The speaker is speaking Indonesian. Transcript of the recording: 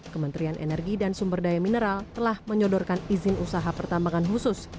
kementerian energi dan sumber daya mineral telah menyodorkan izin usaha pertambangan khusus